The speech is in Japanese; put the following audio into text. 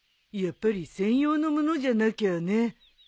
やっぱり専用のものじゃなきゃね。